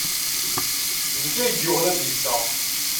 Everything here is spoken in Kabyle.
D nekk ay d-yuwyen adlis-a.